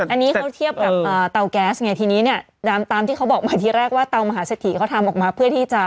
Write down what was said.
อันนี้เขาเทียบกับเตาแก๊สไงทีนี้เนี่ยตามที่เขาบอกมาทีแรกว่าเตามหาเศรษฐีเขาทำออกมาเพื่อที่จะ